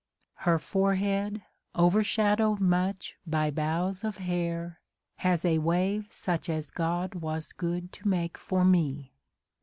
Her forehead, overshadowed much By bows of hair, has a wave such As God was good to make for me.